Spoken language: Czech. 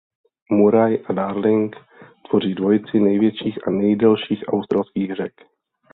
Murray a Darling tvoří dvojici největších a nejdelších australských řek.